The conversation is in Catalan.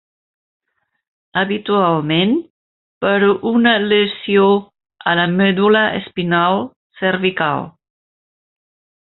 Habitualment per una lesió a la medul·la espinal cervical.